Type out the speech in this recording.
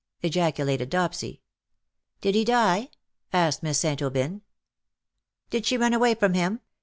ejaculated Dopsy. " Did he die ?" asked Miss St. Aubyn. '^ Did she run away from him